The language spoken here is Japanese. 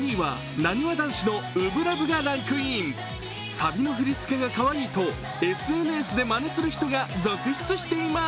サビの振り付けがかわいいとＳＮＳでまねするひとが続出しています。